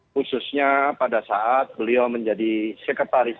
khususnya pada saat beliau menjadi sekretari c